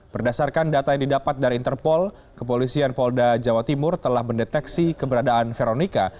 berdasarkan data yang didapat dari interpol kepolisian polda jawa timur telah mendeteksi keberadaan veronica